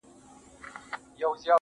زارۍ.